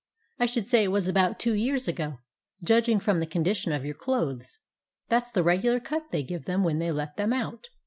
I should say it was about two years ago, judging from the condition of your clothes. That 's the regu lar cut they give them when they let them out.